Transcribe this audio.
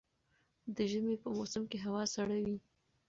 د ژمي په موسم کي هوا سړه وي